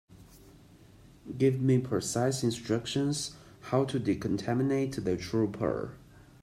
Give me precise instructions how to decontaminate the trooper.